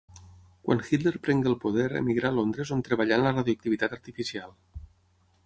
Quan Hitler prengué el poder emigrà a Londres on treballà en la radioactivitat artificial.